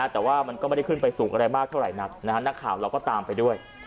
แต่ว่ามันก็ไม่ได้ขึ้นไปสูงอะไรมากเท่าไหร่นักนักข่าวเราก็ตามไปด้วย